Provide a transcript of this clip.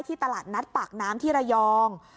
ตลาดนัดปากน้ำที่ระยอง